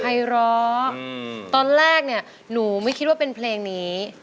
ไอร้อตอนแรกเนี่ยหนูไม่คิดว่าเป็นเพลงนี้